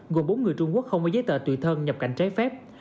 gồm bốn người trung quốc không có giấy tờ tùy thân nhập cảnh trái phép